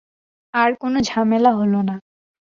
আর কোনো ঝামেলা হল না।